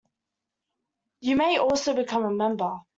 You may also become a member.